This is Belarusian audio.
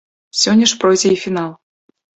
Сёння ж пройдзе і фінал.